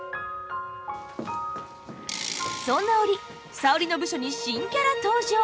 そんな折沙織の部署に新キャラ登場！